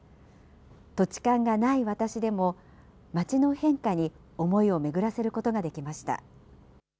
土地勘がない私でも街の変化に思いを巡らせることができました。